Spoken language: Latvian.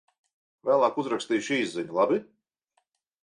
Vēlāk uzrakstīšu īsziņu, labi?